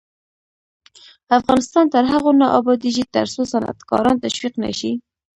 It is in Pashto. افغانستان تر هغو نه ابادیږي، ترڅو صنعتکاران تشویق نشي.